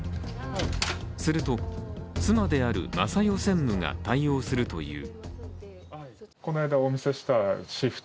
すると、妻である昌代専務が対応するという。